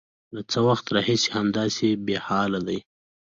_له څه وخته راهيسې همداسې بېحاله دی؟